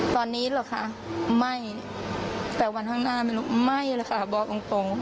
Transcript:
ตอนนี้เหรอคะไม่แต่วันข้างหน้าไม่รู้ไม่เลยค่ะบอกตรง